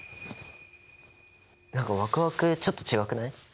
何かワクワクちょっと違くない？